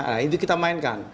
nah itu kita mainkan